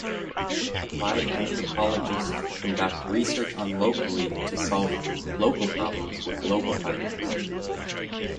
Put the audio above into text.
Applied anthropologist conduct research on locally to solve local problems with local partners.